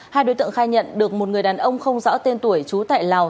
hai đối tượng khai nhận được một người đàn ông không rõ tên tuổi trú tại lào